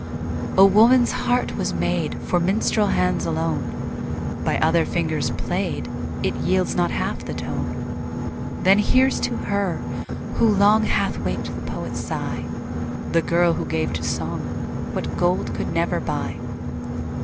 Oh! woman's heart was made For minstrel hands alone; By other fingers played, It yields not half the tone. Then here's to her, who long Hath waked the poet's sigh, The girl who gave to song What gold could never buy.